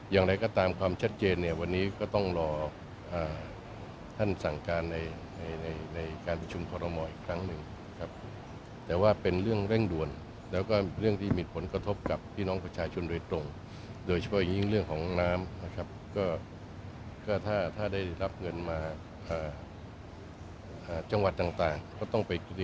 อย่างไรก็ตามความชัดเจนเนี่ยวันนี้ก็ต้องรอ